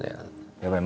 やばい！